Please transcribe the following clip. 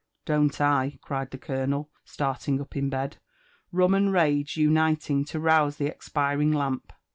''DonU I?" cried the colonel, starling up in bed, rum and rage uniting to rouse the expiring lamp.